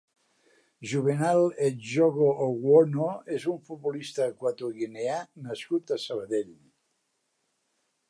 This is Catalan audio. Juvenal Edjogo-Owono és un futbolista equatoguineà nascut a Sabadell.